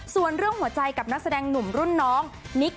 ส่วนเรื่องหัวใจกับนักแสดงหนุ่มรุ่นน้องนิก